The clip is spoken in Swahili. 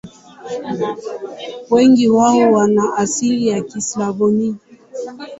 Wengi wao wana asili ya Kislavoni.